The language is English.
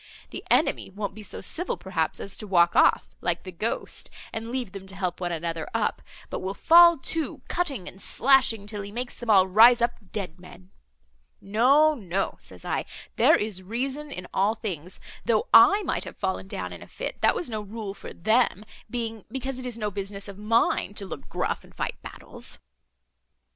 The enemy won't be so civil, perhaps, as to walk off, like the ghost, and leave them to help one another up, but will fall to, cutting and slashing, till he makes them all rise up dead men. No, no, says I, there is reason in all things: though I might have fallen down in a fit that was no rule for them, being, because it is no business of mine to look gruff, and fight battles."